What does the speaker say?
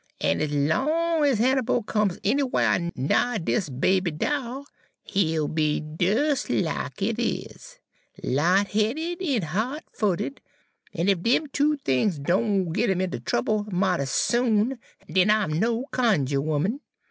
En ez long ez Hannibal comes anywhar nigh dis baby doll, he'll be des lack it is, light headed en hot footed; en ef dem two things doan git 'im inter trouble mighty soon, den I'm no cunjuh 'oman.